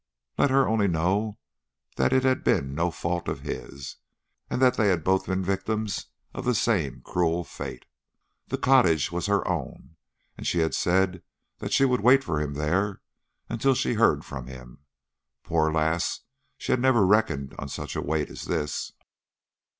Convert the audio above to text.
Let her only know that it had been no fault of his, and that they had both been victims to the same cruel fate. The cottage was her own, and she had said that she would wait for him there until she heard from him. Poor lass, she had never reckoned on such a wait as this.